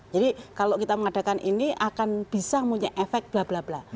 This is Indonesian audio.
jadi kalau kita mengadakan ini akan bisa punya efek bla bla bla